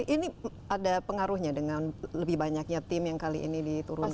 ini ada pengaruhnya dengan lebih banyaknya tim yang kali ini diturunkan